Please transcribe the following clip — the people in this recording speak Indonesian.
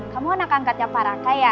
kamu anak angkatnya paraka ya